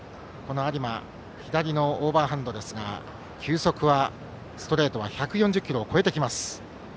有馬は左のオーバーハンドですが球速、ストレートは１４０キロを超えてきます。